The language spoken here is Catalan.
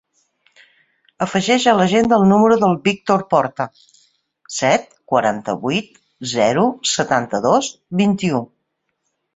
Afegeix a l'agenda el número del Víctor Porta: set, quaranta-vuit, zero, setanta-dos, vint-i-u.